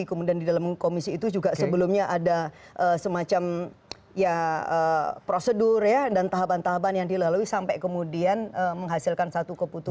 kemudian di dalam komisi itu juga sebelumnya ada semacam ya prosedur dan tahapan tahapan yang dilalui sampai kemudian menghasilkan satu keputusan